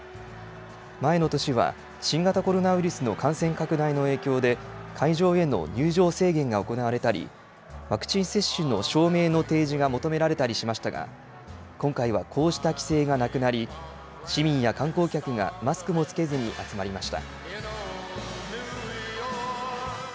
前の年は、新型コロナウイルスの感染拡大の影響で、会場への入場制限が行われたり、ワクチン接種の証明の提示が求められたりしましたが、今回はこうした規制がなくなり、市民や観光客がマスクもつけずに集まりました。